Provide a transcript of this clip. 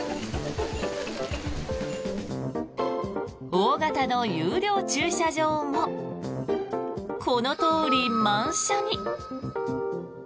大型の有料駐車場もこのとおり満車に。